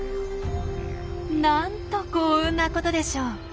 なんと幸運なことでしょう。